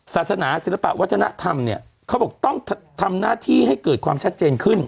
ศาสนาศิลปะวัฒนธรรมเนี่ยเขาบอกต้องทำหน้าที่ให้เกิดความชัดเจนขึ้น